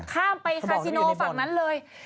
ข้ามไปคาซิโนฝั่งนั้นเลย